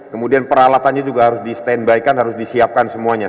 kemudian peralatannya juga harus di stand by kan harus disiapkan semuanya